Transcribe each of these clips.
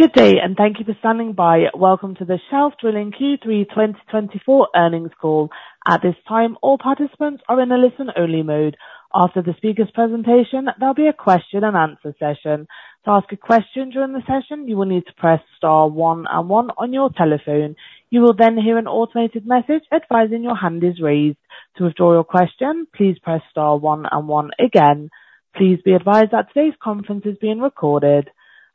Good day, and thank you for standing by. Welcome to the Shelf Drilling Q3 2024 earnings call. At this time, all participants are in a listen-only mode. After the speaker's presentation, there'll be a question-and-answer session. To ask a question during the session, you will need to press star one and one on your telephone. You will then hear an automated message advising your hand is raised. To withdraw your question, please press star one and one again. Please be advised that today's conference is being recorded.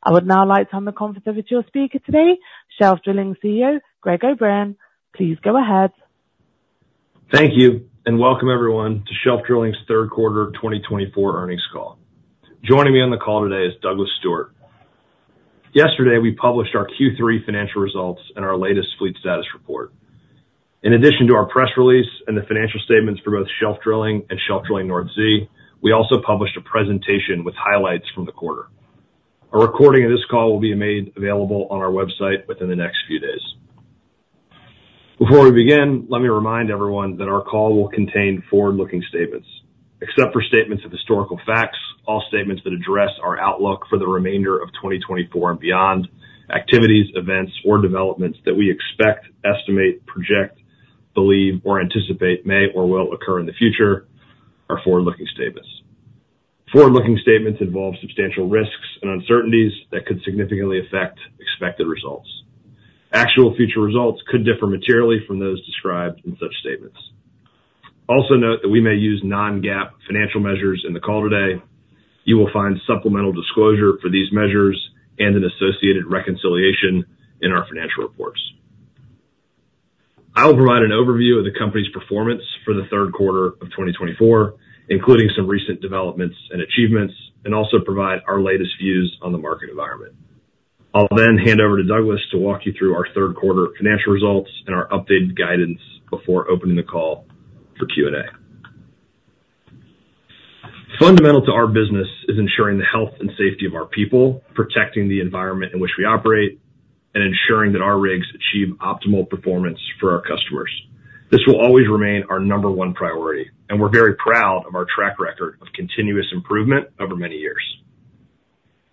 I would now like to hand the conference over to your speaker today, Shelf Drilling CEO, Greg O'Brien. Please go ahead. Thank you, and welcome everyone to Shelf Drilling's third quarter 2024 earnings call. Joining me on the call today is Douglas Stewart. Yesterday, we published our Q3 financial results and our latest fleet status report. In addition to our press release and the financial statements for both Shelf Drilling and Shelf Drilling North Sea, we also published a presentation with highlights from the quarter. A recording of this call will be made available on our website within the next few days. Before we begin, let me remind everyone that our call will contain forward-looking statements. Except for statements of historical facts, all statements that address our outlook for the remainder of 2024 and beyond, activities, events, or developments that we expect, estimate, project, believe, or anticipate may or will occur in the future are forward-looking statements. Forward-looking statements involve substantial risks and uncertainties that could significantly affect expected results. Actual future results could differ materially from those described in such statements. Also note that we may use non-GAAP financial measures in the call today. You will find supplemental disclosure for these measures and an associated reconciliation in our financial reports. I will provide an overview of the company's performance for the third quarter of 2024, including some recent developments and achievements, and also provide our latest views on the market environment. I'll then hand over to Douglas to walk you through our third quarter financial results and our updated guidance before opening the call for Q&A. Fundamental to our business is ensuring the health and safety of our people, protecting the environment in which we operate, and ensuring that our rigs achieve optimal performance for our customers. This will always remain our number one priority, and we're very proud of our track record of continuous improvement over many years.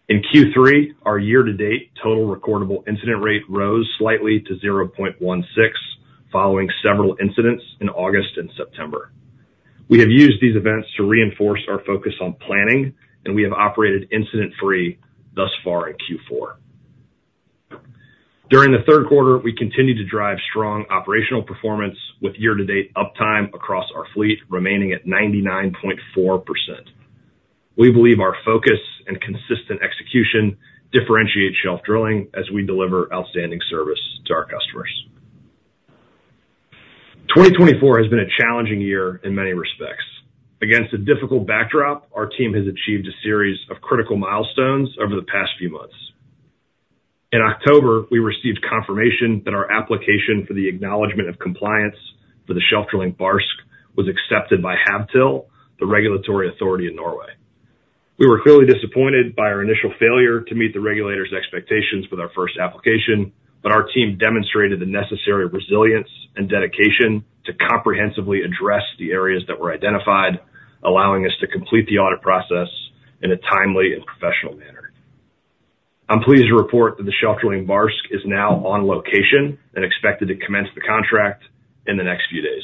In Q3, our year-to-date Total Recordable Incident Rate rose slightly to 0.16 following several incidents in August and September. We have used these events to reinforce our focus on planning, and we have operated incident-free thus far in Q4. During the third quarter, we continue to drive strong operational performance with year-to-date uptime across our fleet remaining at 99.4%. We believe our focus and consistent execution differentiate Shelf Drilling as we deliver outstanding service to our customers. 2024 has been a challenging year in many respects. Against a difficult backdrop, our team has achieved a series of critical milestones over the past few months. In October, we received confirmation that our application for the Acknowledgment of Compliance for the Shelf Drilling Barsk was accepted by Havtil, the regulatory authority in Norway. We were clearly disappointed by our initial failure to meet the regulator's expectations with our first application, but our team demonstrated the necessary resilience and dedication to comprehensively address the areas that were identified, allowing us to complete the audit process in a timely and professional manner. I'm pleased to report that the Shelf Drilling Barsk is now on location and expected to commence the contract in the next few days.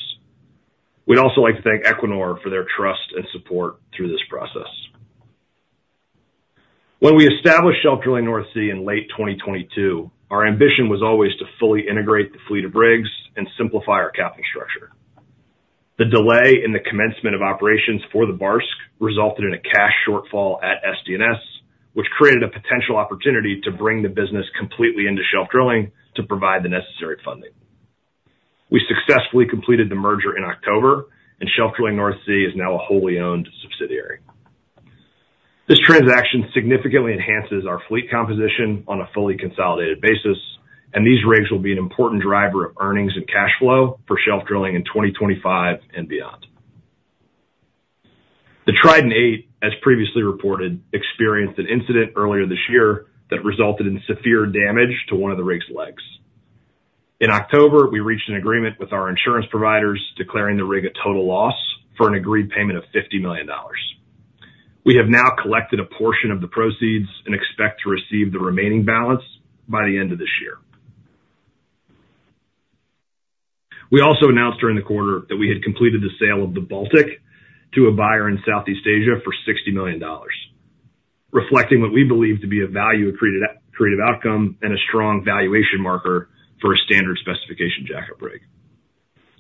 We'd also like to thank Equinor for their trust and support through this process. When we established Shelf Drilling North Sea in late 2022, our ambition was always to fully integrate the fleet of rigs and simplify our capital structure. The delay in the commencement of operations for the Barsk resulted in a cash shortfall at SDNS, which created a potential opportunity to bring the business completely into Shelf Drilling to provide the necessary funding. We successfully completed the merger in October, and Shelf Drilling North Sea is now a wholly owned subsidiary. This transaction significantly enhances our fleet composition on a fully consolidated basis, and these rigs will be an important driver of earnings and cash flow for Shelf Drilling in 2025 and beyond. The Trident VIII, as previously reported, experienced an incident earlier this year that resulted in severe damage to one of the rig's legs. In October, we reached an agreement with our insurance providers, declaring the rig a total loss for an agreed payment of $50 million. We have now collected a portion of the proceeds and expect to receive the remaining balance by the end of this year. We also announced during the quarter that we had completed the sale of the Baltic to a buyer in Southeast Asia for $60 million, reflecting what we believe to be a value-accretive outcome and a strong valuation marker for a standard specification jack-up rig.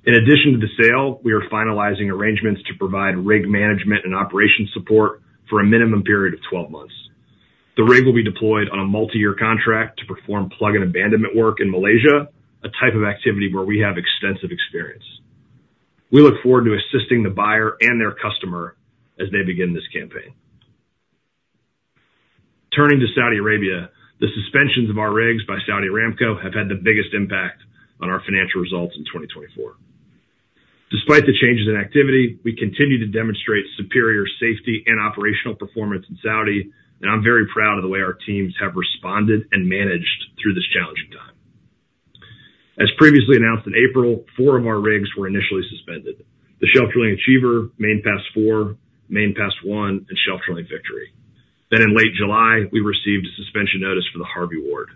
In addition to the sale, we are finalizing arrangements to provide rig management and operation support for a minimum period of 12 months. The rig will be deployed on a multi-year contract to perform plug and abandonment work in Malaysia, a type of activity where we have extensive experience. We look forward to assisting the buyer and their customer as they begin this campaign. Turning to Saudi Arabia, the suspensions of our rigs by Saudi Aramco have had the biggest impact on our financial results in 2024. Despite the changes in activity, we continue to demonstrate superior safety and operational performance in Saudi, and I'm very proud of the way our teams have responded and managed through this challenging time. As previously announced in April, four of our rigs were initially suspended: the Shelf Drilling Achiever, Main Pass IV, Main Pass I, and Shelf Drilling Victory. Then, in late July, we received a suspension notice for the Harvey Ward.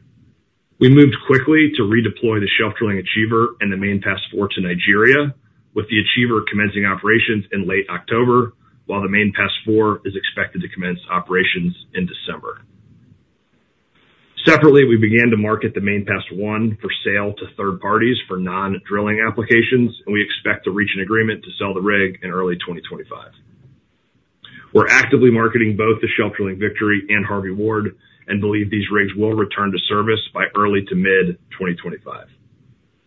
We moved quickly to redeploy the Shelf Drilling Achiever and the Main Pass IV to Nigeria, with the Achiever commencing operations in late October, while the Main Pass IV is expected to commence operations in December. Separately, we began to market the Main Pass I for sale to third parties for non-drilling applications, and we expect to reach an agreement to sell the rig in early 2025. We're actively marketing both the Shelf Drilling Victory and Harvey Ward and believe these rigs will return to service by early to mid-2025.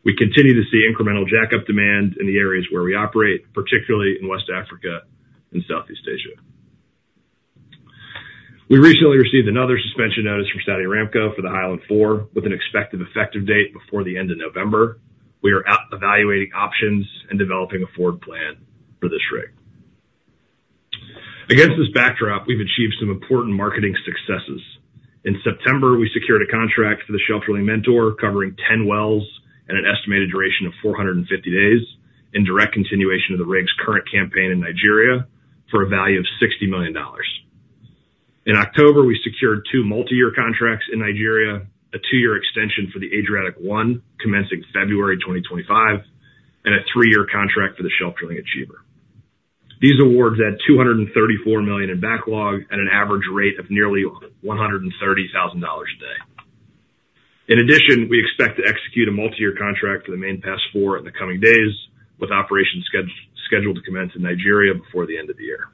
We continue to see incremental jack-up demand in the areas where we operate, particularly in West Africa and Southeast Asia. We recently received another suspension notice from Saudi Aramco for the High Island IV, with an expected effective date before the end of November. We are evaluating options and developing a forward plan for this rig. Against this backdrop, we've achieved some important marketing successes. In September, we secured a contract for the Shelf Drilling Mentor covering 10 wells and an estimated duration of 450 days in direct continuation of the rig's current campaign in Nigeria for a value of $60 million. In October, we secured two multi-year contracts in Nigeria, a two-year extension for the Adriatic I commencing February 2025, and a three-year contract for the Shelf Drilling Achiever. These awards add $234 million in backlog at an average rate of nearly $130,000 a day. In addition, we expect to execute a multi-year contract for the Main Pass IV in the coming days, with operations scheduled to commence in Nigeria before the end of the year.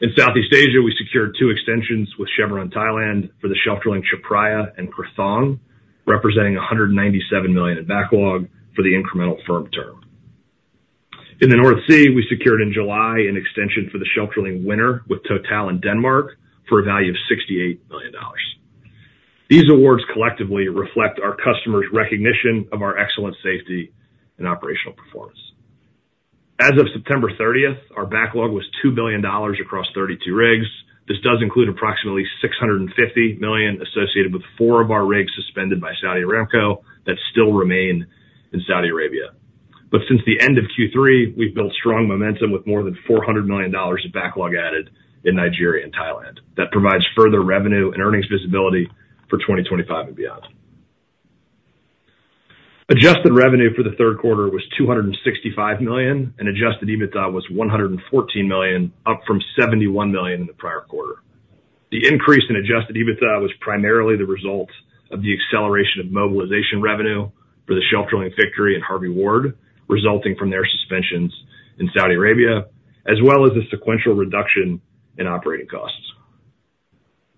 In Southeast Asia, we secured two extensions with Chevron Thailand for the Shelf Drilling Chaophraya and Krathong, representing $197 million in backlog for the incremental firm term. In the North Sea, we secured in July an extension for the Shelf Drilling Winner with Total in Denmark for a value of $68 million. These awards collectively reflect our customers' recognition of our excellent safety and operational performance. As of September 30th, our backlog was $2 billion across 32 rigs. This does include approximately $650 million associated with four of our rigs suspended by Saudi Aramco that still remain in Saudi Arabia. But since the end of Q3, we've built strong momentum with more than $400 million of backlog added in Nigeria and Thailand. That provides further revenue and earnings visibility for 2025 and beyond. Adjusted revenue for the third quarter was $265 million, and Adjusted EBITDA was $114 million, up from $71 million in the prior quarter. The increase in Adjusted EBITDA was primarily the result of the acceleration of mobilization revenue for the Shelf Drilling Victory and Harvey Ward, resulting from their suspensions in Saudi Arabia, as well as the sequential reduction in operating costs.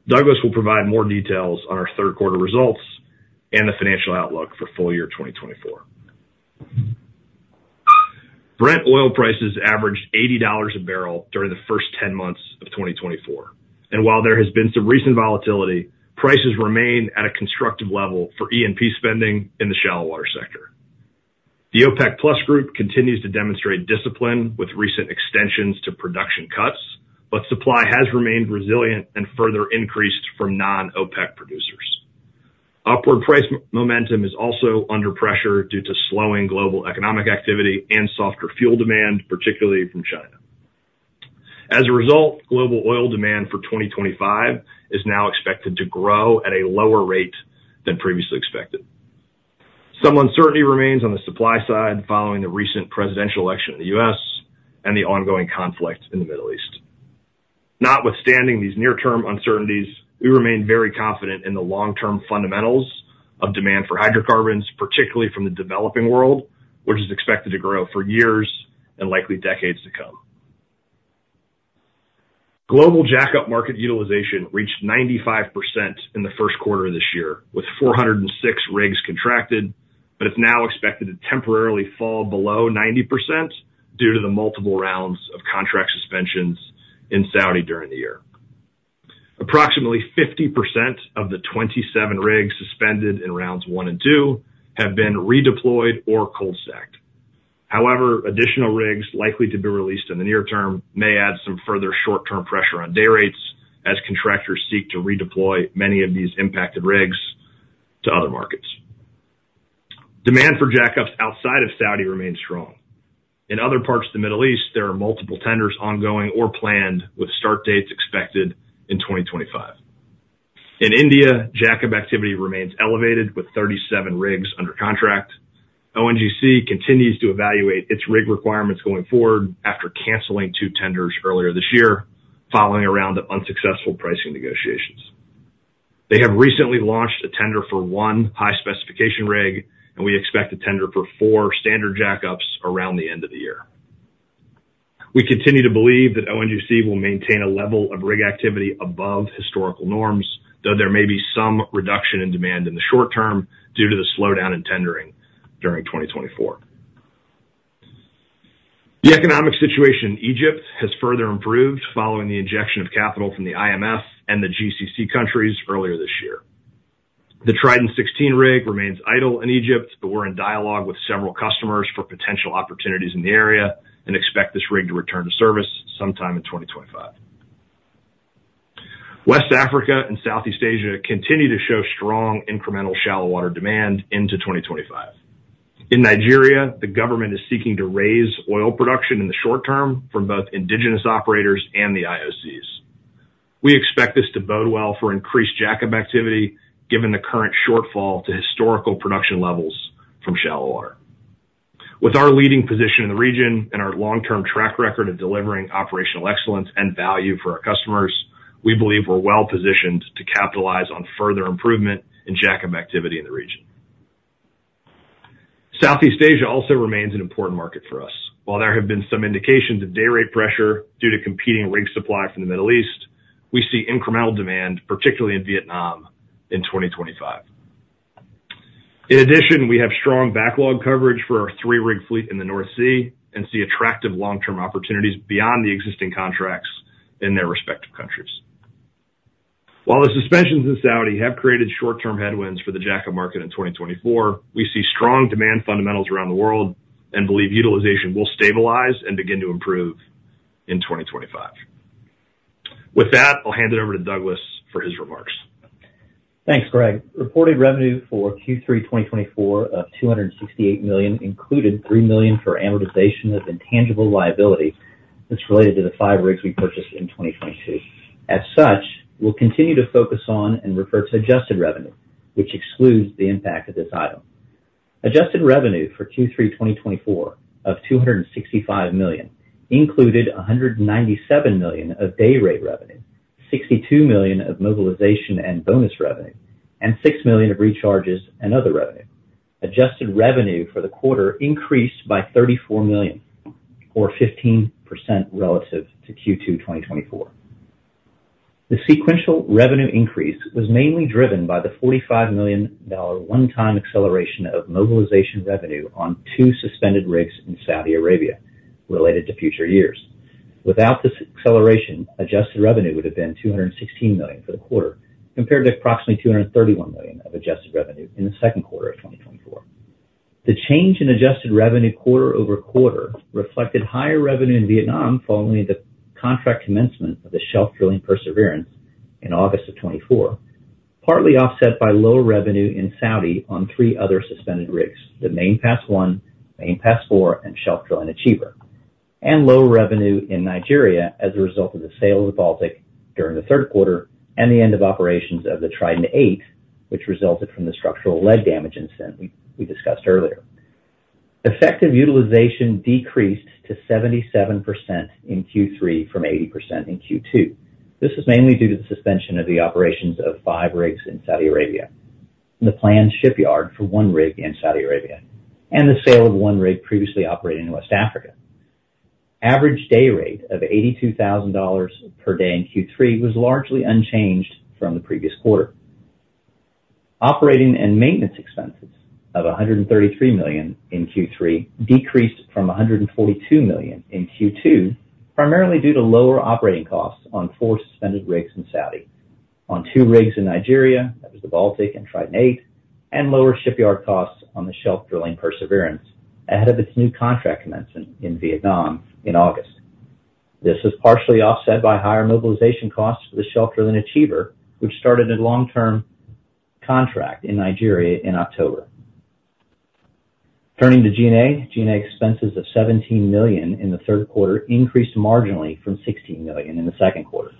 Douglas will provide more details on our third quarter results and the financial outlook for full year 2024. Brent oil prices averaged $80 a barrel during the first 10 months of 2024. While there has been some recent volatility, prices remain at a constructive level for E&P spending in the shallow water sector. The OPEC+ group continues to demonstrate discipline with recent extensions to production cuts, but supply has remained resilient and further increased from non-OPEC producers. Upward price momentum is also under pressure due to slowing global economic activity and softer fuel demand, particularly from China. As a result, global oil demand for 2025 is now expected to grow at a lower rate than previously expected. Some uncertainty remains on the supply side following the recent presidential election in the U.S. and the ongoing conflict in the Middle East. Notwithstanding these near-term uncertainties, we remain very confident in the long-term fundamentals of demand for hydrocarbons, particularly from the developing world, which is expected to grow for years and likely decades to come. Global jack-up market utilization reached 95% in the first quarter of this year, with 406 rigs contracted, but it's now expected to temporarily fall below 90% due to the multiple rounds of contract suspensions in Saudi during the year. Approximately 50% of the 27 rigs suspended in rounds one and two have been redeployed or cold stacked. However, additional rigs likely to be released in the near term may add some further short-term pressure on day rates as contractors seek to redeploy many of these impacted rigs to other markets. Demand for jack-ups outside of Saudi remains strong. In other parts of the Middle East, there are multiple tenders ongoing or planned, with start dates expected in 2025. In India, jack-up activity remains elevated with 37 rigs under contract. ONGC continues to evaluate its rig requirements going forward after canceling two tenders earlier this year following a round of unsuccessful pricing negotiations. They have recently launched a tender for one high-specification rig, and we expect a tender for four standard jack-ups around the end of the year. We continue to believe that ONGC will maintain a level of rig activity above historical norms, though there may be some reduction in demand in the short term due to the slowdown in tendering during 2024. The economic situation in Egypt has further improved following the injection of capital from the IMF and the GCC countries earlier this year. The Trident 16 rig remains idle in Egypt, but we're in dialogue with several customers for potential opportunities in the area and expect this rig to return to service sometime in 2025. West Africa and Southeast Asia continue to show strong incremental shallow water demand into 2025. In Nigeria, the government is seeking to raise oil production in the short term from both indigenous operators and the IOCs. We expect this to bode well for increased jack-up activity given the current shortfall to historical production levels from shallow water. With our leading position in the region and our long-term track record of delivering operational excellence and value for our customers, we believe we're well positioned to capitalize on further improvement in jack-up activity in the region. Southeast Asia also remains an important market for us. While there have been some indications of day rate pressure due to competing rig supply from the Middle East, we see incremental demand, particularly in Vietnam, in 2025. In addition, we have strong backlog coverage for our three-rig fleet in the North Sea and see attractive long-term opportunities beyond the existing contracts in their respective countries. While the suspensions in Saudi have created short-term headwinds for the jack-up market in 2024, we see strong demand fundamentals around the world and believe utilization will stabilize and begin to improve in 2025. With that, I'll hand it over to Douglas for his remarks. Thanks, Greg. Reported revenue for Q3 2024 of $268 million included $3 million for amortization of intangible liability that's related to the five rigs we purchased in 2022. As such, we'll continue to focus on and refer to adjusted revenue, which excludes the impact of this item. Adjusted revenue for Q3 2024 of $265 million included $197 million of day rate revenue, $62 million of mobilization and bonus revenue, and $6 million of recharges and other revenue. Adjusted revenue for the quarter increased by $34 million, or 15% relative to Q2 2024. The sequential revenue increase was mainly driven by the $45 million one-time acceleration of mobilization revenue on two suspended rigs in Saudi Arabia related to future years. Without this acceleration, Adjusted revenue would have been $216 million for the quarter, compared to approximately $231 million of Adjusted revenue in the second quarter of 2024. The change in adjusted revenue quarter-over-quarter reflected higher revenue in Vietnam following the contract commencement of the Shelf Drilling Perseverance in August of 2024, partly offset by lower revenue in Saudi on three other suspended rigs: the Main Pass I, Main Pass IV, and Shelf Drilling Achiever, and lower revenue in Nigeria as a result of the sale of the Baltic during the third quarter and the end of operations of the Trident VIII, which resulted from the structural leg damage incident we discussed earlier. Effective utilization decreased to 77% in Q3 from 80% in Q2. This is mainly due to the suspension of the operations of five rigs in Saudi Arabia, the planned shipyard for one rig in Saudi Arabia, and the sale of one rig previously operating in West Africa. Average day rate of $82,000 per day in Q3 was largely unchanged from the previous quarter. Operating and maintenance expenses of $133 million in Q3 decreased from $142 million in Q2, primarily due to lower operating costs on four suspended rigs in Saudi. On two rigs in Nigeria, that was the Baltic and Trident VIII, and lower shipyard costs on the Shelf Drilling Perseverance ahead of its new contract commencement in Vietnam in August. This was partially offset by higher mobilization costs for the Shelf Drilling Achiever, which started a long-term contract in Nigeria in October. Turning to G&A, G&A expenses of $17 million in the third quarter increased marginally from $16 million in the second quarter.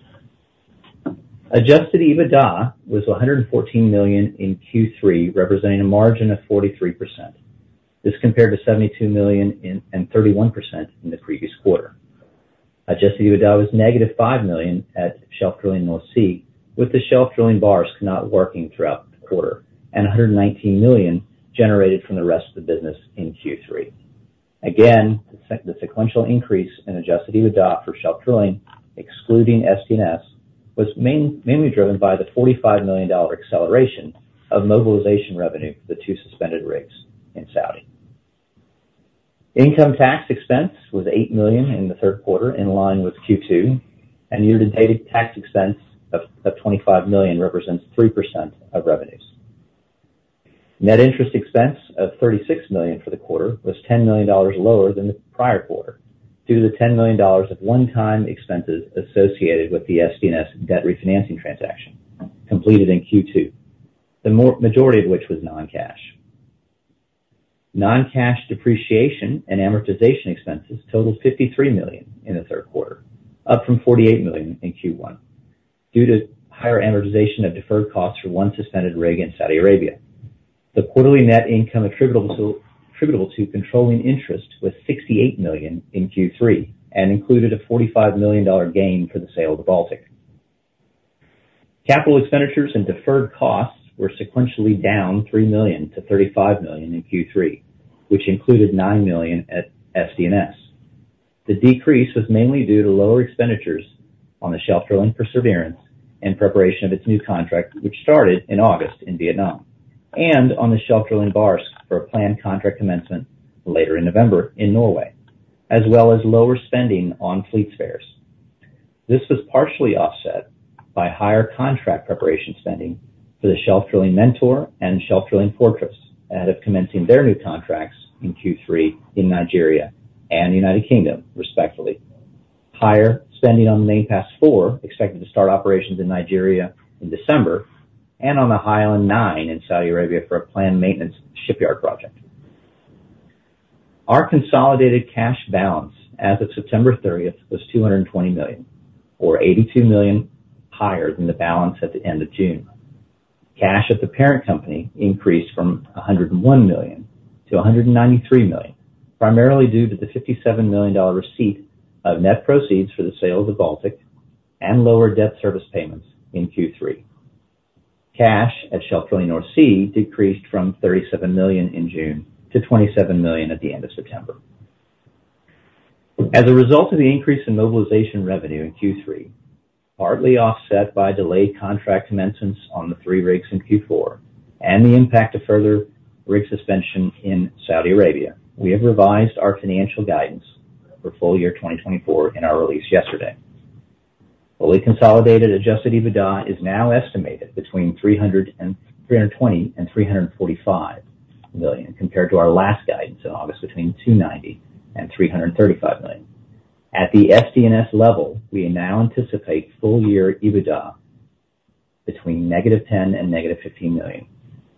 Adjusted EBITDA was $114 million in Q3, representing a margin of 43%. This compared to $72 million and 31% in the previous quarter. Adjusted EBITDA was negative $5 million at Shelf Drilling North Sea, with the Shelf Drilling Barsk not working throughout the quarter, and $119 million generated from the rest of the business in Q3. Again, the sequential increase in adjusted EBITDA for Shelf Drilling, excluding SDNS, was mainly driven by the $45 million acceleration of mobilization revenue for the two suspended rigs in Saudi. Income tax expense was $8 million in the third quarter in line with Q2, and year-to-date tax expense of $25 million represents 3% of revenues. Net interest expense of $36 million for the quarter was $10 million lower than the prior quarter due to the $10 million of one-time expenses associated with the SDNS debt refinancing transaction completed in Q2, the majority of which was non-cash. Non-cash depreciation and amortization expenses totaled $53 million in the third quarter, up from $48 million in Q1 due to higher amortization of deferred costs for one suspended rig in Saudi Arabia. The quarterly net income attributable to controlling interest was $68 million in Q3 and included a $45 million gain for the sale of the Baltic. Capital expenditures and deferred costs were sequentially down $3 million to $35 million in Q3, which included $9 million at SDNS. The decrease was mainly due to lower expenditures on the Shelf Drilling Perseverance in preparation of its new contract, which started in August in Vietnam, and on the Shelf Drilling Barsk for a planned contract commencement later in November in Norway, as well as lower spending on fleet spares. This was partially offset by higher contract preparation spending for the Shelf Drilling Mentor and Shelf Drilling Fortress ahead of commencing their new contracts in Q3 in Nigeria and the United Kingdom, respectively. Higher spending on the Main Pass IV expected to start operations in Nigeria in December and on the High Island IX in Saudi Arabia for a planned maintenance shipyard project. Our consolidated cash balance as of September 30th was $220 million, or $82 million higher than the balance at the end of June. Cash at the parent company increased from $101 million-$193 million, primarily due to the $57 million receipt of net proceeds for the sale of the Baltic and lower debt service payments in Q3. Cash at Shelf Drilling North Sea decreased from $37 million in June to $27 million at the end of September. As a result of the increase in mobilization revenue in Q3, partly offset by delayed contract commencements on the three rigs in Q4 and the impact of further rig suspension in Saudi Arabia, we have revised our financial guidance for full year 2024 in our release yesterday. Fully consolidated adjusted EBITDA is now estimated between $320 and $345 million compared to our last guidance in August between $290 and $335 million. At the SDNS level, we now anticipate full year EBITDA between -$10 and -$15 million,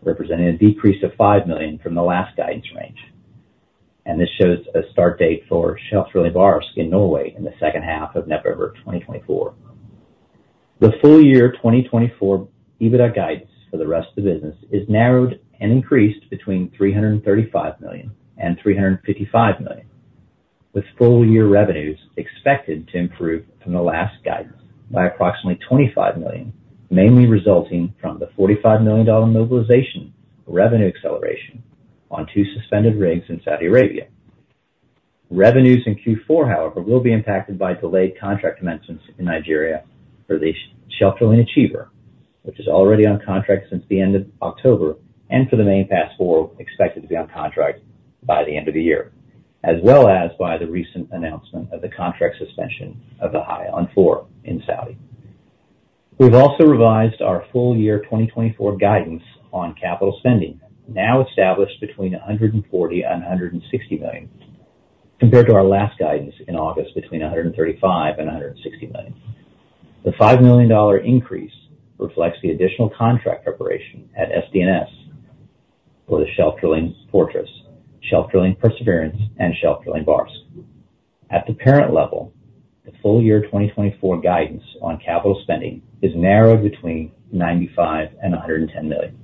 representing a decrease of $5 million from the last guidance range, and this shows a start date for Shelf Drilling Barsk in Norway in the second half of November 2024. The full year 2024 EBITDA guidance for the rest of the business is narrowed and increased between $335 million and $355 million, with full year revenues expected to improve from the last guidance by approximately $25 million, mainly resulting from the $45 million mobilization revenue acceleration on two suspended rigs in Saudi Arabia. Revenues in Q4, however, will be impacted by delayed contract commencements in Nigeria for the Shelf Drilling Achiever, which is already on contract since the end of October, and for the Main Pass IV, expected to be on contract by the end of the year, as well as by the recent announcement of the contract suspension of the High Island IV in Saudi. We've also revised our full year 2024 guidance on capital spending, now established between $140 and $160 million, compared to our last guidance in August between $135 and $160 million. The $5 million increase reflects the additional contract preparation at SDNS for the Shelf Drilling Fortress, Shelf Drilling Perseverance, and Shelf Drilling Barsk. At the parent level, the full year 2024 guidance on capital spending is narrowed between $95 and $110 million.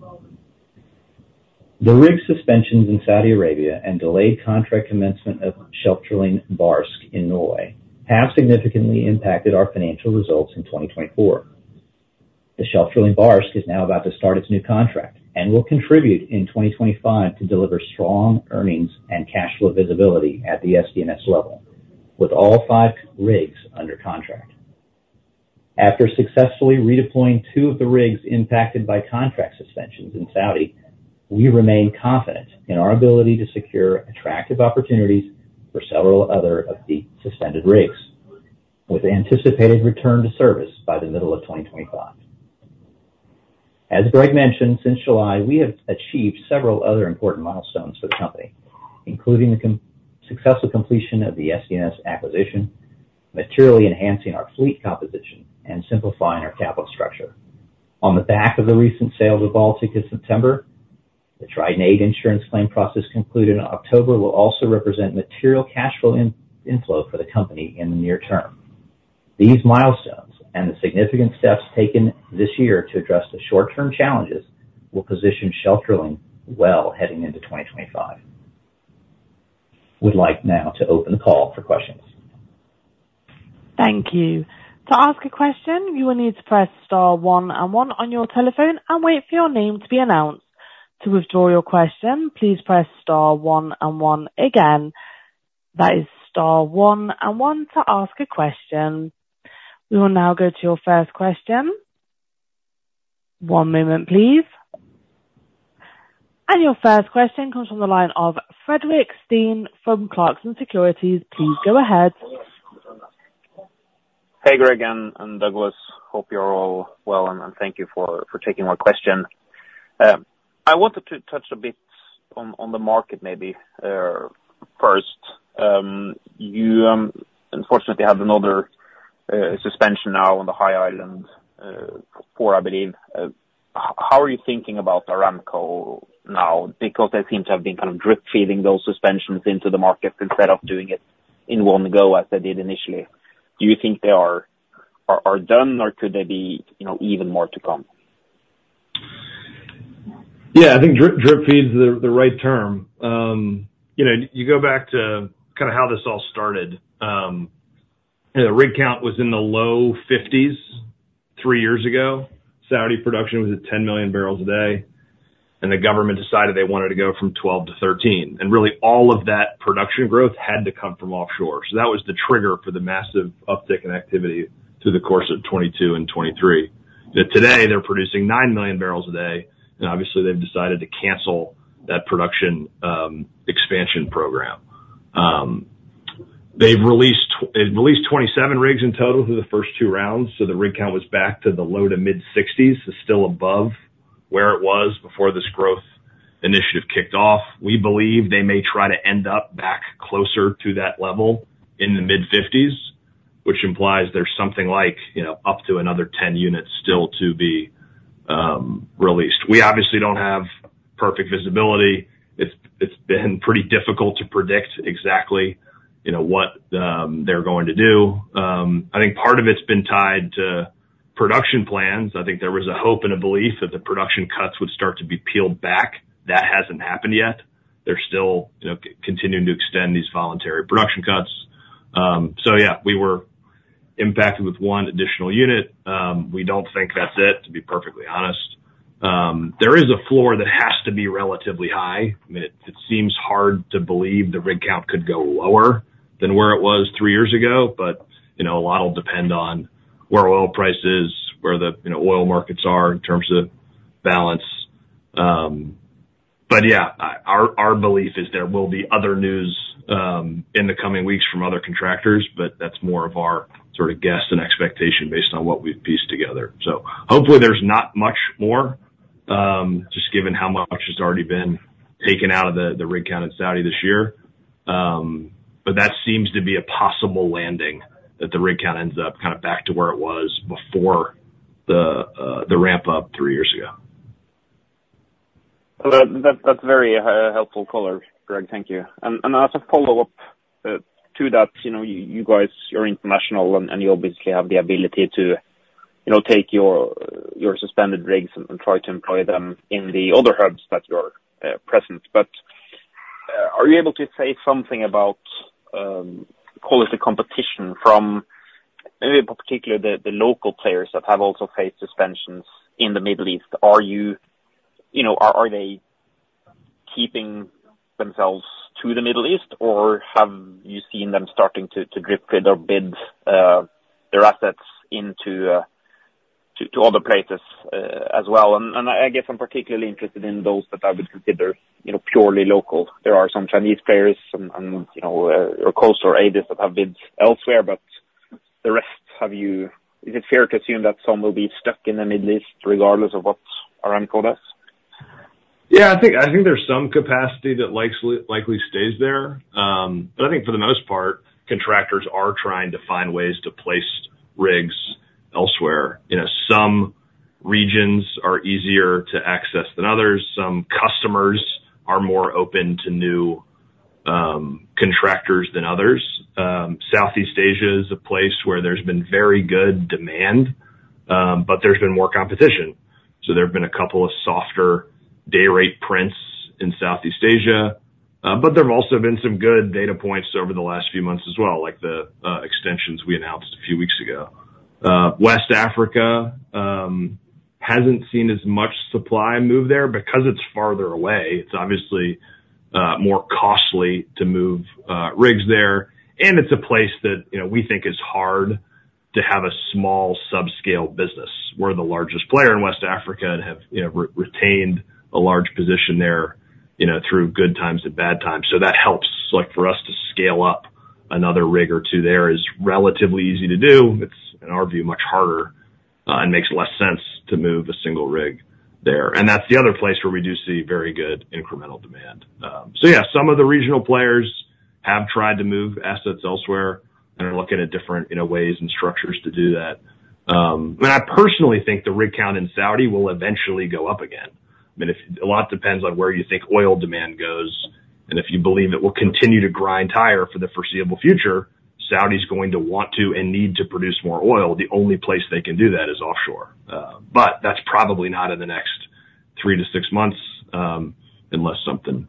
The rig suspensions in Saudi Arabia and delayed contract commencement of Shelf Drilling Barsk in Norway have significantly impacted our financial results in 2024. The Shelf Drilling Barsk is now about to start its new contract and will contribute in 2025 to deliver strong earnings and cash flow visibility at the SDNS level, with all five rigs under contract. After successfully redeploying two of the rigs impacted by contract suspensions in Saudi, we remain confident in our ability to secure attractive opportunities for several other of the suspended rigs, with anticipated return to service by the middle of 2025. As Greg mentioned, since July, we have achieved several other important milestones for the company, including the successful completion of the SDNS acquisition, materially enhancing our fleet composition, and simplifying our capital structure. On the back of the recent sale of the Baltic in September, the Trident VIII insurance claim process concluded in October will also represent material cash flow inflow for the company in the near term. These milestones and the significant steps taken this year to address the short-term challenges will position Shelf Drilling well heading into 2025. We'd like now to open the call for questions. Thank you. To ask a question, you will need to press star one and one on your telephone and wait for your name to be announced. To withdraw your question, please press star one and one again. That is star one and one to ask a question. We will now go to your first question. One moment, please, and your first question comes from the line of Fredrik Stene from Clarkson Securities. Please go ahead. Hey, Greg and Douglas. Hope you're all well, and thank you for taking my question. I wanted to touch a bit on the market, maybe, first. You, unfortunately, have another suspension now on the High Island IV, I believe. How are you thinking about Aramco now? Because they seem to have been kind of drip-feeding those suspensions into the market instead of doing it in one go as they did initially. Do you think they are done, or could there be even more to come? Yeah, I think drip-feed is the right term. You go back to kind of how this all started. The rig count was in the low 50s three years ago. Saudi production was at 10 million barrels a day, and the government decided they wanted to go from 12 to 13, and really, all of that production growth had to come from offshore, so that was the trigger for the massive uptick in activity through the course of 2022 and 2023. Today, they're producing nine million barrels a day, and obviously, they've decided to cancel that production expansion program. They've released 27 rigs in total through the first two rounds, so the rig count was back to the low to mid-60s, still above where it was before this growth initiative kicked off. We believe they may try to end up back closer to that level in the mid-50s, which implies there's something like up to another 10 units still to be released. We obviously don't have perfect visibility. It's been pretty difficult to predict exactly what they're going to do. I think part of it's been tied to production plans. I think there was a hope and a belief that the production cuts would start to be peeled back. That hasn't happened yet. They're still continuing to extend these voluntary production cuts. So yeah, we were impacted with one additional unit. We don't think that's it, to be perfectly honest. There is a floor that has to be relatively high. It seems hard to believe the rig count could go lower than where it was three years ago, but a lot will depend on where oil price is, where the oil markets are in terms of balance. But yeah, our belief is there will be other news in the coming weeks from other contractors, but that's more of our sort of guess and expectation based on what we've pieced together. Hopefully, there's not much more, just given how much has already been taken out of the rig count in Saudi this year. But that seems to be a possible landing that the rig count ends up kind of back to where it was before the ramp-up three years ago. That's very helpful color, Greg. Thank you. And as a follow-up to that, you guys, you're international, and you obviously have the ability to take your suspended rigs and try to employ them in the other hubs that you're present. But are you able to say something about quality competition from, particularly, the local players that have also faced suspensions in the Middle East? Are they keeping themselves to the Middle East, or have you seen them starting to drip-feed or bid their assets into other places as well? I guess I'm particularly interested in those that I would consider purely local. There are some Chinese players and your coastal areas that have bids elsewhere, but the rest, is it fair to assume that some will be stuck in the Middle East regardless of what Aramco does? Yeah, I think there's some capacity that likely stays there. But I think for the most part, contractors are trying to find ways to place rigs elsewhere. Some regions are easier to access than others. Some customers are more open to new contractors than others. Southeast Asia is a place where there's been very good demand, but there's been more competition. So there have been a couple of softer day rate prints in Southeast Asia, but there have also been some good data points over the last few months as well, like the extensions we announced a few weeks ago. West Africa hasn't seen as much supply move there because it's farther away. It's obviously more costly to move rigs there, and it's a place that we think is hard to have a small subscale business. We're the largest player in West Africa and have retained a large position there through good times and bad times. So that helps for us to scale up another rig or two there, is relatively easy to do. It's, in our view, much harder and makes less sense to move a single rig there. And that's the other place where we do see very good incremental demand. So yeah, some of the regional players have tried to move assets elsewhere and are looking at different ways and structures to do that. I mean, I personally think the rig count in Saudi will eventually go up again. I mean, a lot depends on where you think oil demand goes, and if you believe it will continue to grind higher for the foreseeable future, Saudi is going to want to and need to produce more oil. The only place they can do that is offshore, but that's probably not in the next three to six months unless something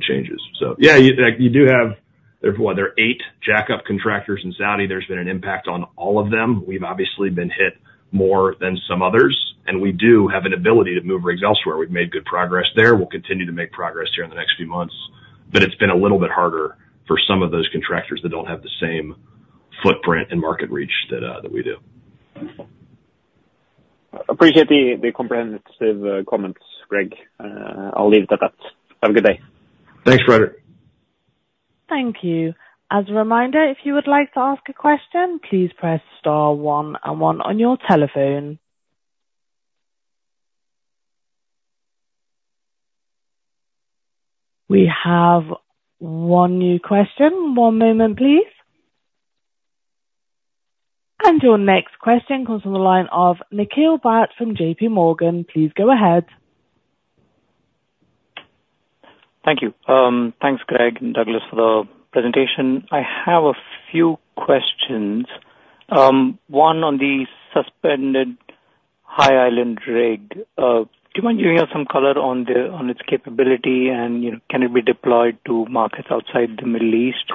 changes, so yeah, you do have, they're eight jack-up contractors in Saudi. There's been an impact on all of them. We've obviously been hit more than some others, and we do have an ability to move rigs elsewhere. We've made good progress there. We'll continue to make progress here in the next few months, but it's been a little bit harder for some of those contractors that don't have the same footprint and market reach that we do. Appreciate the comprehensive comments, Greg. I'll leave it at that. Have a good day. Thanks, Fredrik. Thank you. As a reminder, if you would like to ask a question, please press star one and one on your telephone. We have one new question. One moment, please. And your next question comes from the line of Nikhil Bhat from J.P. Morgan. Please go ahead. Thank you. Thanks, Greg and Douglas, for the presentation. I have a few questions. One on the suspended High Island rig. Do you mind giving us some color on its capability, and can it be deployed to markets outside the Middle East?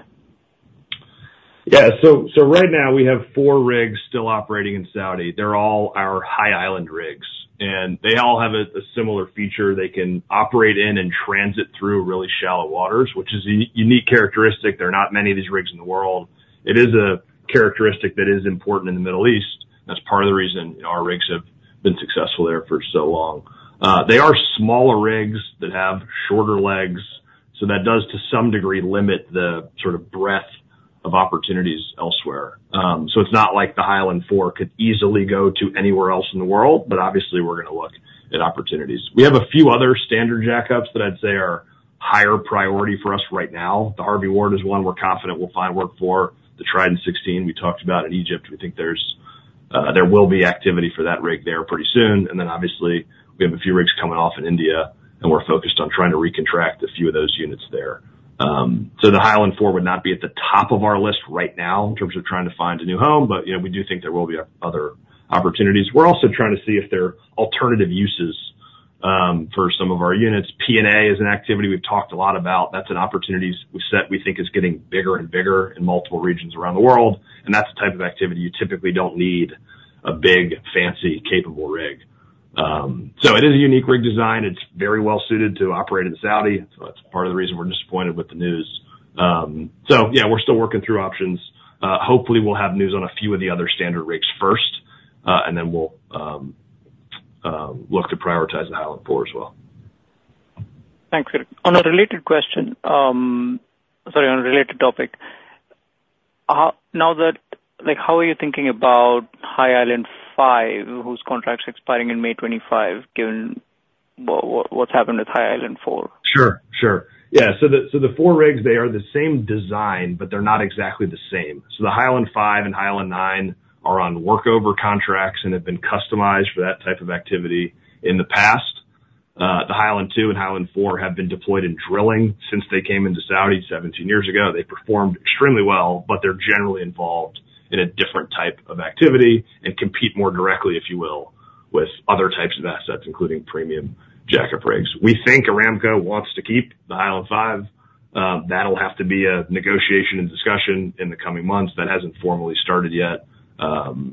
Yeah. So right now, we have four rigs still operating in Saudi. They're all our High Island rigs, and they all have a similar feature. They can operate in and transit through really shallow waters, which is a unique characteristic. There are not many of these rigs in the world. It is a characteristic that is important in the Middle East. That's part of the reason our rigs have been successful there for so long. They are smaller rigs that have shorter legs, so that does, to some degree, limit the sort of breadth of opportunities elsewhere. So it's not like the High Island IV could easily go to anywhere else in the world, but obviously, we're going to look at opportunities. We have a few other standard jack-ups that I'd say are higher priority for us right now. The Harvey Ward is one we're confident we'll find work for. The Trident 16 we talked about in Egypt, we think there will be activity for that rig there pretty soon. And then, obviously, we have a few rigs coming off in India, and we're focused on trying to recontract a few of those units there. So the High Island IV would not be at the top of our list right now in terms of trying to find a new home, but we do think there will be other opportunities. We're also trying to see if there are alternative uses for some of our units. P&A is an activity we've talked a lot about. That's an opportunity we think is getting bigger and bigger in multiple regions around the world, and that's the type of activity you typically don't need a big, fancy, capable rig. So it is a unique rig design. It's very well-suited to operate in Saudi, so that's part of the reason we're disappointed with the news. So yeah, we're still working through options. Hopefully, we'll have news on a few of the other standard rigs first, and then we'll look to prioritize the High Island IV as well. Thanks, Greg. On a related question, sorry, on a related topic, how are you thinking about High Island V, whose contract's expiring in May 2025, given what's happened with High Island IV? Sure. Sure. Yeah. So the four rigs, they are the same design, but they're not exactly the same. So the High Island V and High Island IX are on workover contracts and have been customized for that type of activity in the past. The High Island II and High Island IV have been deployed in drilling since they came into Saudi 17 years ago. They performed extremely well, but they're generally involved in a different type of activity and compete more directly, if you will, with other types of assets, including premium jack-up rigs. We think Aramco wants to keep the High Island V. That'll have to be a negotiation and discussion in the coming months. That hasn't formally started yet. So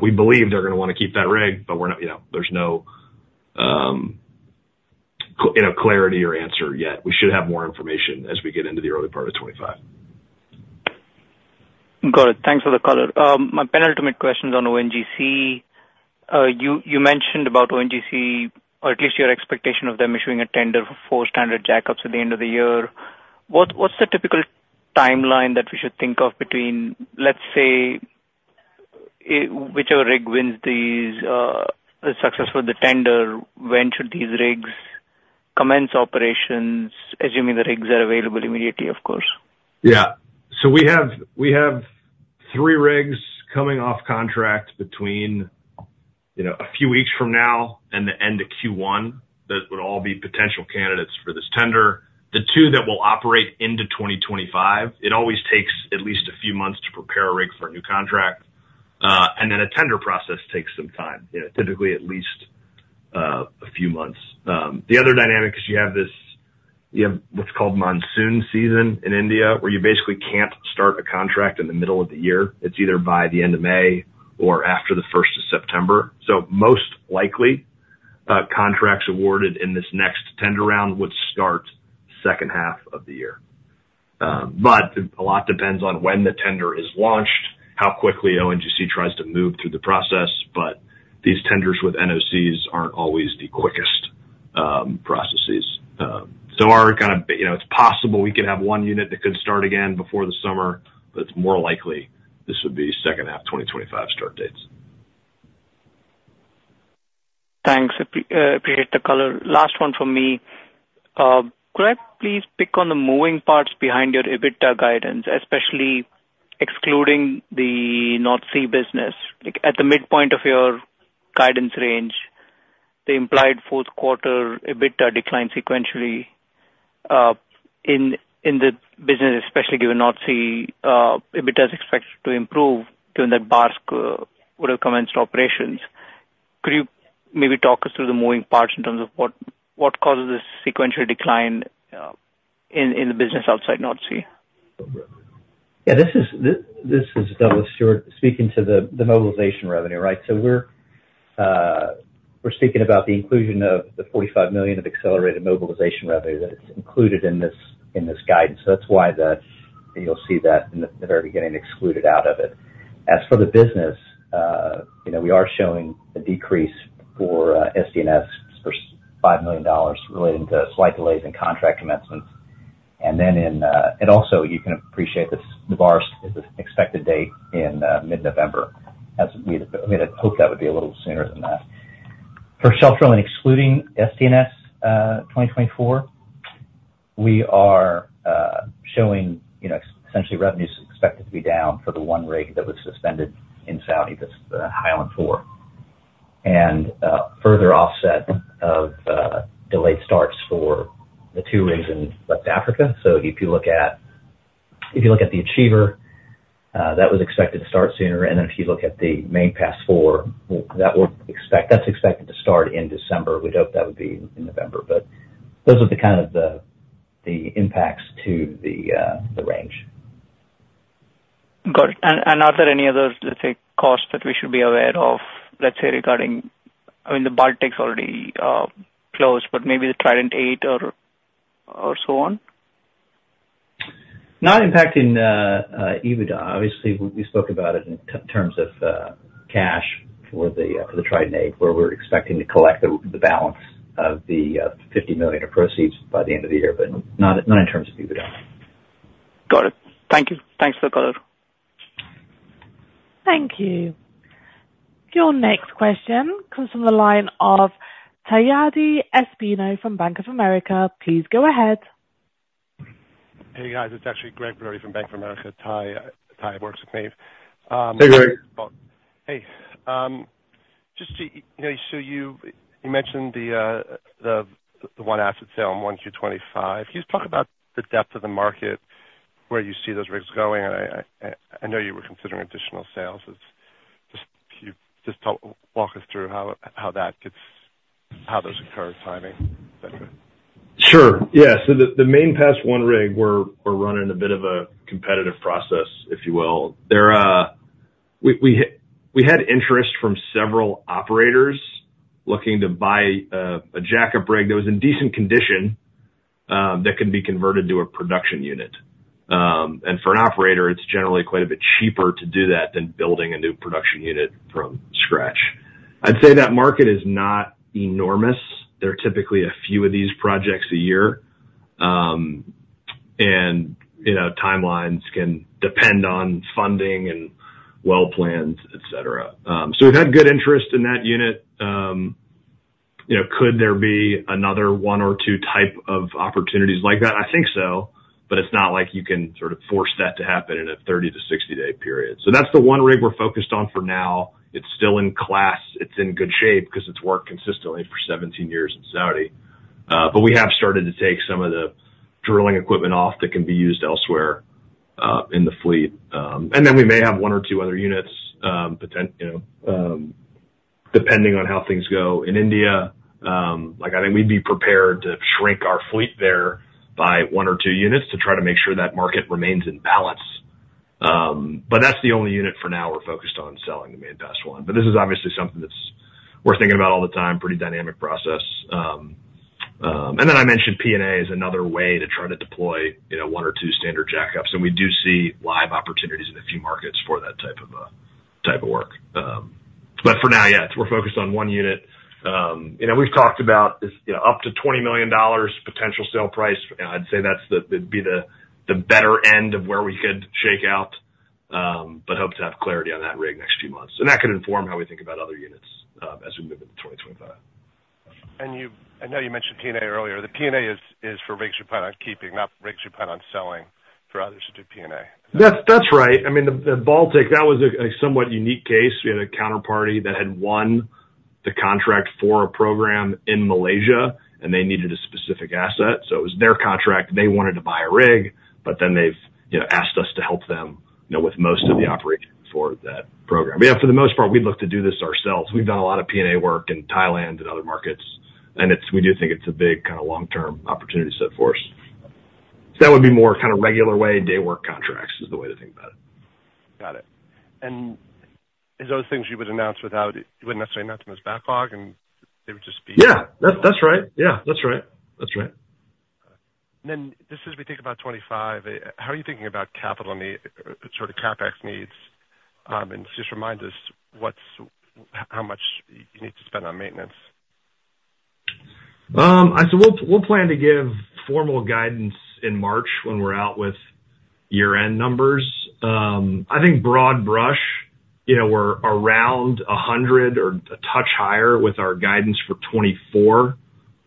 we believe they're going to want to keep that rig, but there's no clarity or answer yet. We should have more information as we get into the early part of 2025. Got it. Thanks for the color. My penultimate question is on ONGC. You mentioned about ONGC, or at least your expectation of them issuing a tender for four standard jack-ups at the end of the year. What's the typical timeline that we should think of between, let's say, whichever rig wins the success for the tender? When should these rigs commence operations, assuming the rigs are available immediately, of course? Yeah. So we have three rigs coming off contract between a few weeks from now and the end of Q1 that would all be potential candidates for this tender. The two that will operate into 2025. It always takes at least a few months to prepare a rig for a new contract, and then a tender process takes some time, typically at least a few months. The other dynamic is you have what's called monsoon season in India, where you basically can't start a contract in the middle of the year. It's either by the end of May or after the 1st of September, so most likely, contracts awarded in this next tender round would start second half of the year, but a lot depends on when the tender is launched, how quickly ONGC tries to move through the process, but these tenders with NOCs aren't always the quickest processes. So our kind of, it's possible we could have one unit that could start again before the summer, but it's more likely this would be second half 2025 start dates. Thanks. Appreciate the color. Last one from me. Could I please pick on the moving parts behind your EBITDA guidance, especially excluding the North Sea business? At the midpoint of your guidance range, the implied fourth quarter EBITDA declined sequentially in the business, especially given North Sea EBITDA is expected to improve given that Barsk would have commenced operations. Could you maybe talk us through the moving parts in terms of what causes this sequential decline in the business outside North Sea? Yeah. This is Douglas Stewart speaking to the mobilization revenue, right? So we're speaking about the inclusion of the $45 million of accelerated mobilization revenue that is included in this guidance. That's why you'll see that in the very beginning excluded out of it. As for the business, we are showing a decrease for SDNS for $5 million relating to slight delays in contract commencements. And also, you can appreciate the Barsk is expected date in mid-November. I mean, I'd hope that would be a little sooner than that. For Shelf Drilling, excluding SDNS 2024, we are showing essentially revenues expected to be down for the one rig that was suspended in Saudi, the High Island IV, and further offset of delayed starts for the two rigs in West Africa. If you look at the Achiever, that was expected to start sooner. And then if you look at the Main Pass IV, that's expected to start in December. We'd hope that would be in November. But those are kind of the impacts to the range. Got it. And are there any other, let's say, costs that we should be aware of, let's say, regarding— I mean, the Barsk taxes already close, but maybe the Trident VIII or so on? Not impacting EBITDA. Obviously, we spoke about it in terms of cash for the Trident VIII, where we're expecting to collect the balance of the $50 million of proceeds by the end of the year, but not in terms of EBITDA. Got it. Thank you. Thanks for the color. Thank you. Your next question comes from the line of Taiyadi Espino from Bank of America. Please go ahead. Hey, guys. It's actually Gregg Brody from Bank of America. Taiy works with me. Hey, Gregg. Hey. Just to show you, you mentioned the one asset sale in 1Q 2025. Can you just talk about the depth of the market where you see those rigs going? I know you were considering additional sales. Just walk us through how that gets, how those occur, timing, et cetera. Sure. Yeah. So the Main Pass I rig, we're running a bit of a competitive process, if you will. We had interest from several operators looking to buy a jack-up rig that was in decent condition that could be converted to a production unit. And for an operator, it's generally quite a bit cheaper to do that than building a new production unit from scratch. I'd say that market is not enormous. There are typically a few of these projects a year, and timelines can depend on funding and well planning, et cetera. So we've had good interest in that unit. Could there be another one or two type of opportunities like that? I think so, but it's not like you can sort of force that to happen in a 30-day to 60-day period. So that's the one rig we're focused on for now. It's still in class. It's in good shape because it's worked consistently for 17 years in Saudi. But we have started to take some of the drilling equipment off that can be used elsewhere in the fleet. And then we may have one or two other units, depending on how things go in India. I think we'd be prepared to shrink our fleet there by one or two units to try to make sure that market remains in balance. But that's the only unit for now we're focused on selling, the Main Pass I. But this is obviously something that we're thinking about all the time, pretty dynamic process. And then I mentioned P&A is another way to try to deploy one or two standard jack-ups. And we do see live opportunities in a few markets for that type of work. But for now, yeah, we're focused on one unit. We've talked about up to $20 million potential sale price. I'd say that'd be the better end of where we could shake out, but hope to have clarity on that rig next few months. And that could inform how we think about other units as we move into 2025. And I know you mentioned P&A earlier. The P&A is for rigs we plan on keeping, not rigs we plan on selling for others to do P&A. That's right. I mean, the Baltic, that was a somewhat unique case. We had a counterparty that had won the contract for a program in Malaysia, and they needed a specific asset. So it was their contract. They wanted to buy a rig, but then they've asked us to help them with most of the operation for that program. But yeah, for the most part, we'd look to do this ourselves. We've done a lot of P&A work in Thailand and other markets, and we do think it's a big kind of long-term opportunity set for us. So that would be more kind of regular way, day-work contracts is the way to think about it. Got it. And is those things you would announce without you wouldn't necessarily announce them as backlog, and they would just be? Yeah. That's right. Yeah. That's right. That's right. And then just as we think about 2025, how are you thinking about capital needs, sort of CapEx needs? And just remind us how much you need to spend on maintenance. So we'll plan to give formal guidance in March when we're out with year-end numbers. I think broad brush, we're around 100 or a touch higher with our guidance for 2024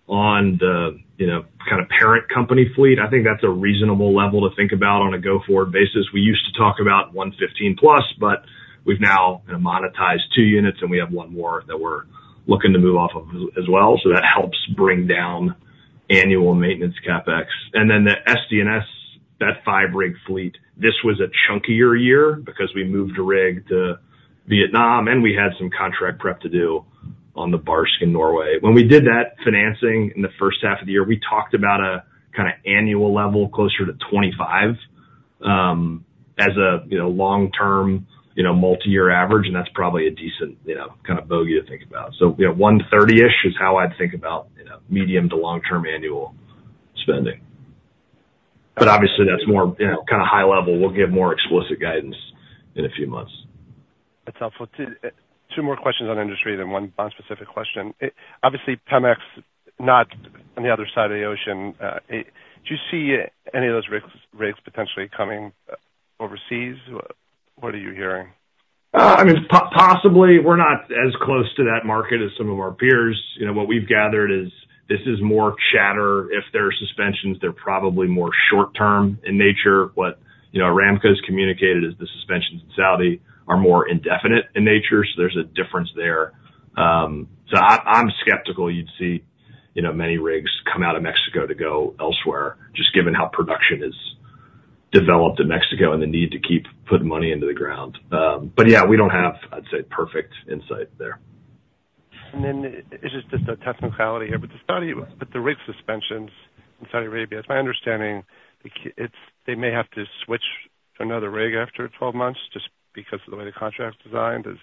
on the kind of parent company fleet. I think that's a reasonable level to think about on a go-forward basis. We used to talk about 115 plus, but we've now monetized two units, and we have one more that we're looking to move off of as well. So that helps bring down annual maintenance CapEx. And then the SDNS, that five-rig fleet, this was a chunkier year because we moved a rig to Vietnam, and we had some contract prep to do on the Barsk in Norway. When we did that financing in the first half of the year, we talked about a kind of annual level closer to 25 as a long-term multi-year average, and that's probably a decent kind of bogey to think about. So 130-ish is how I'd think about medium to long-term annual spending. But obviously, that's more kind of high level. We'll give more explicit guidance in a few months. That's helpful. Two more questions on industry then one non-specific question. Obviously, Pemex, not on the other side of the ocean. Do you see any of those rigs potentially coming overseas? What are you hearing? I mean, possibly. We're not as close to that market as some of our peers. What we've gathered is this is more chatter. If there are suspensions, they're probably more short-term in nature. What Aramco has communicated is the suspensions in Saudi are more indefinite in nature, so there's a difference there. So I'm skeptical you'd see many rigs come out of Mexico to go elsewhere, just given how production is developed in Mexico and the need to keep putting money into the ground. But yeah, we don't have, I'd say, perfect insight there. And then this is just a technicality here, but the Saudi with the rig suspensions in Saudi Arabia, it's my understanding they may have to switch to another rig after 12 months just because of the way the contract's designed. Is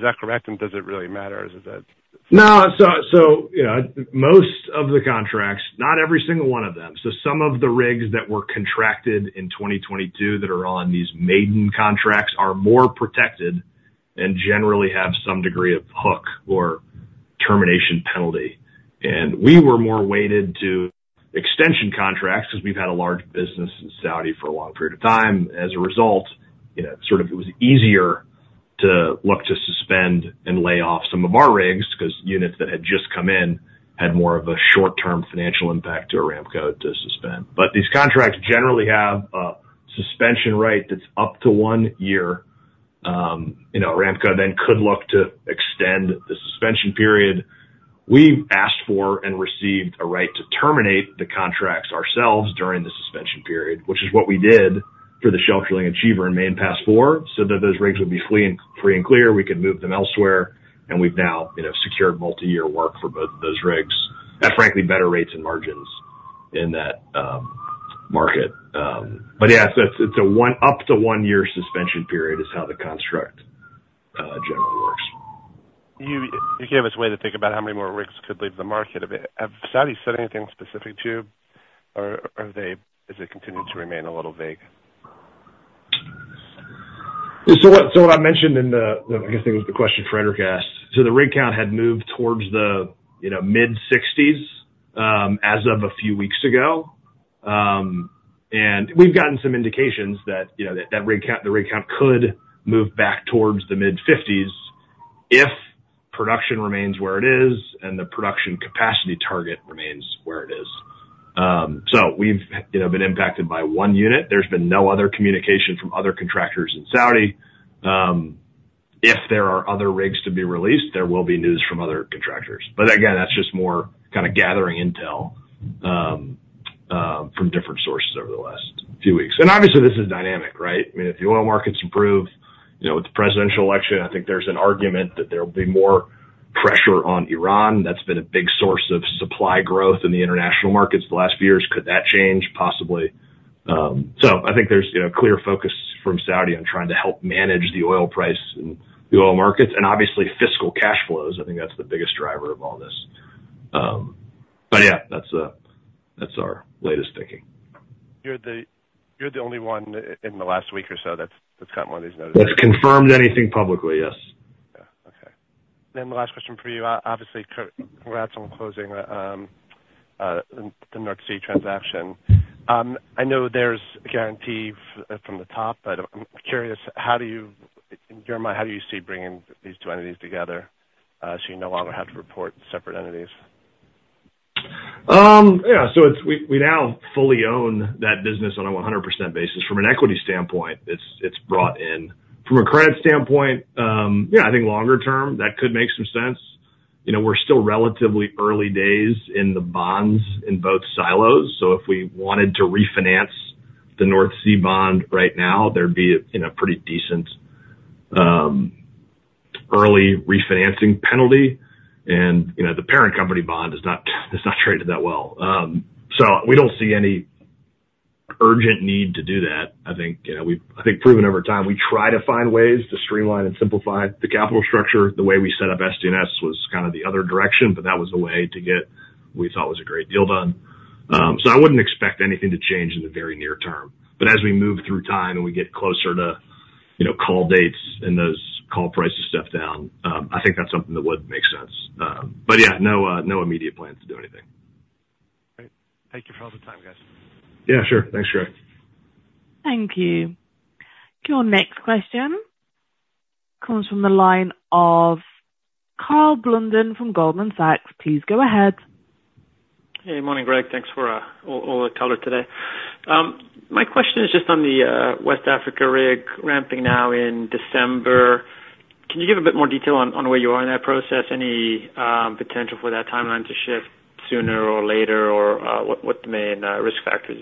that correct? And does it really matter? Is that? No. So most of the contracts, not every single one of them. So some of the rigs that were contracted in 2022 that are on these maiden contracts are more protected and generally have some degree of hook or termination penalty. And we were more weighted to extension contracts because we've had a large business in Saudi for a long period of time. As a result, sort of it was easier to look to suspend and lay off some of our rigs because units that had just come in had more of a short-term financial impact to Aramco to suspend. But these contracts generally have a suspension rate that's up to one year. Aramco then could look to extend the suspension period. We've asked for and received a right to terminate the contracts ourselves during the suspension period, which is what we did for the Shelf Drilling Achiever and Main Pass IV so that those rigs would be free and clear. We could move them elsewhere, and we've now secured multi-year work for both of those rigs at frankly better rates and margins in that market. But yeah, it's up to a one-year suspension period, is how the construct generally works. You gave us a way to think about how many more rigs could leave the market. Have Saudi said anything specific to you, or is it continuing to remain a little vague? So what I mentioned in the—I guess it was the question Fredrik asked. So the rig count had moved towards the mid-60s as of a few weeks ago. And we've gotten some indications that the rig count could move back towards the mid-50s if production remains where it is and the production capacity target remains where it is. So we've been impacted by one unit. There's been no other communication from other contractors in Saudi. If there are other rigs to be released, there will be news from other contractors. But again, that's just more kind of gathering intel from different sources over the last few weeks. And obviously, this is dynamic, right? I mean, if the oil markets improve with the presidential election, I think there's an argument that there will be more pressure on Iran. That's been a big source of supply growth in the international markets the last few years. Could that change possibly? So I think there's clear focus from Saudi on trying to help manage the oil price and the oil markets. And obviously, fiscal cash flows. I think that's the biggest driver of all this. But yeah, that's our latest thinking. You're the only one in the last week or so that's gotten one of these notices. That's confirmed anything publicly, yes. Yeah. Okay. Then the last question for you. Obviously, congrats on closing the North Sea transaction. I know there's a guarantee from the top, but I'm curious, in your mind, how do you see bringing these two entities together so you no longer have to report separate entities? Yeah. So we now fully own that business on a 100% basis. From an equity standpoint, it's brought in. From a credit standpoint, yeah, I think longer term, that could make some sense. We're still relatively early days in the bonds in both silos. So if we wanted to refinance the North Sea bond right now, there'd be a pretty decent early refinancing penalty. And the parent company bond is not traded that well. So we don't see any urgent need to do that. I think proven over time, we try to find ways to streamline and simplify the capital structure. The way we set up SDNS was kind of the other direction, but that was the way to get what we thought was a great deal done. So I wouldn't expect anything to change in the very near term. But as we move through time and we get closer to call dates and those call prices step down, I think that's something that would make sense. But yeah, no immediate plan to do anything. Great. Thank you for all the time, guys. Yeah, sure. Thanks, Gregg. Thank you. Your next question comes from the line of Karl Blunden from Goldman Sachs. Please go ahead. Hey, morning, Greg. Thanks for all the color today. My question is just on the West Africa rig ramping now in December. Can you give a bit more detail on where you are in that process? Any potential for that timeline to shift sooner or later, or what the main risk factors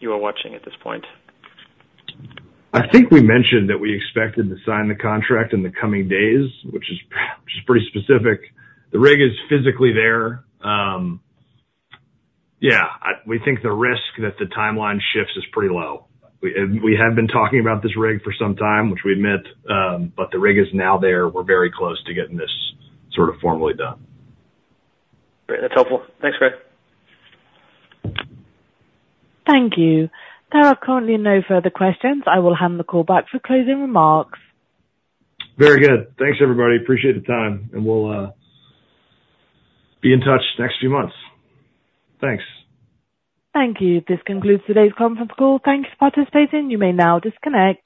you are watching at this point? I think we mentioned that we expected to sign the contract in the coming days, which is pretty specific. The rig is physically there. Yeah. We think the risk that the timeline shifts is pretty low. We have been talking about this rig for some time, which we admit, but the rig is now there. We're very close to getting this sort of formally done. Great. That's helpful. Thanks, Greg. Thank you. There are currently no further questions. I will hand the call back for closing remarks. Very good. Thanks, everybody. Appreciate the time. And we'll be in touch next few months. Thanks. Thank you. This concludes today's conference call. Thank you for participating. You may now disconnect.